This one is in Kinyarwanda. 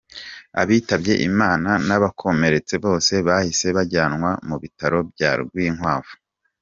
Abitabye Imana n’abakomeretse bose bahise bajyanwa mu bitaro bya Rwinkwavu.